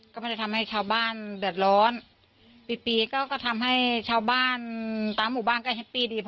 ก็ไม่ได้ทำให้ชาวบ้านเดือดร้อนปีก็ทำให้ชาวบ้านตามหมู่บ้านก็แฮปปี้ดีพอ